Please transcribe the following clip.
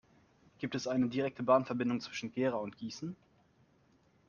Gibt es eine direkte Bahnverbindung zwischen Gera und Gießen?